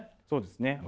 そうですね。